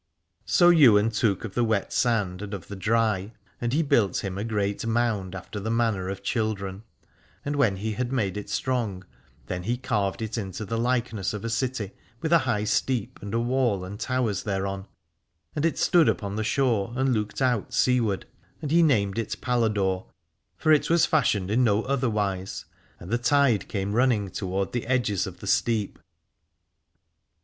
So Ywain took of the wet sand and of the dry, and he built him a great mound after the manner of children. And when he had made it strong then he carved it into the like ness of a city, with a high steep and a wall and towers thereon : and it stood upon the shore and looked out seaward, and he named it Paladore, for it was fashioned in no other X 321 Alad ore wise, and the tide came running toward the edges of the steep.